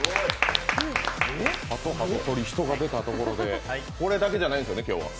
鳩のところから人が出たところでこれだけじゃないんですよね。